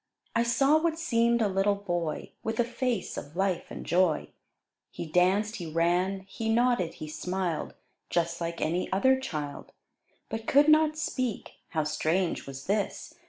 I saw what seem'd a little Boy, With a face of life and joy; He danced, he ran, he nodded, he smiled, Just like any other Child; But could not speak, (how strange was this!)